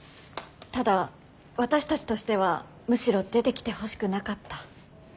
ただ私たちとしてはむしろ出てきてほしくなかった。